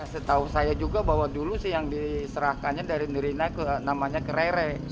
setahu saya juga bahwa dulu sih yang diserahkannya dari nirina namanya kerere